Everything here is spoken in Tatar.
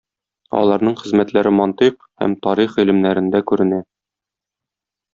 Аларның хезмәтләре мантыйк һәм тарих гыйлемнәрендә күренә.